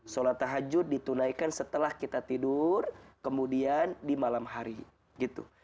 sholat tahajud ditunaikan setelah kita tidur kemudian di malam hari gitu